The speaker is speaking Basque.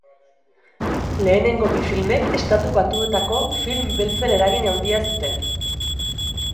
Lehenengo bi filmek Estatu Batuetako film beltzen eragin handia zuten.